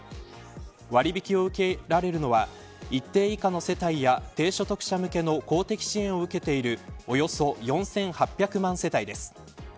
割引を受けられるのは一定以下の世帯や低所得者向けの公的支援を受けているおよそ４８００万世帯です。